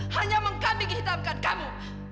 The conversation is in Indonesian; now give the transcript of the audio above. hanya mengkambing hitamkan kamu